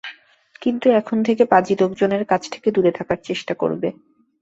কিন্তু এখন থেকে পাজি লোকজনের কাছ থেকে দূরে থাকার চেষ্টা করবে।